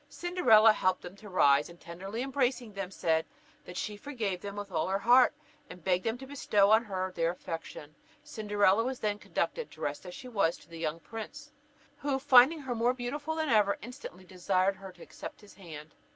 Cinderella helped them to rise, and, tenderly embracing them, said that she forgave them with all her heart, and begged them to bestow on her their affection. Cinderella was then conducted, dressed as she was, to the young prince, who finding her more beautiful than ever, instantly desired her to accept of his hand.